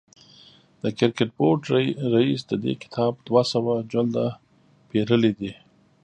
د کرکټ بورډ رئیس د دې کتاب دوه سوه جلده پېرلي دي.